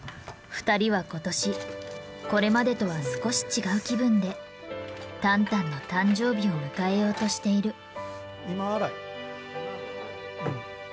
二人は今年これまでとは少し違う気分でタンタンの誕生日を迎えようとしている。